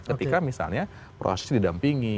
ketika misalnya proses didampingi